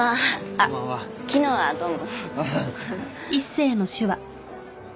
あっ昨日はどうも。